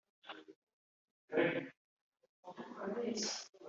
iteka rya minisitiri w’intebe rishyiraho umuyobozi w’ishami rishinzwe abakozi